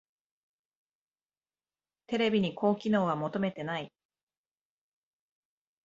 テレビに高機能は求めてない